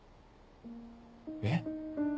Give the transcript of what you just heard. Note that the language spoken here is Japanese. えっ？